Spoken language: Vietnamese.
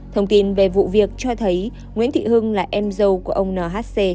thông tin về vụ việc cho thấy nguyễn thị hưng là em dâu của ông nhc